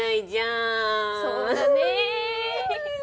そうだね！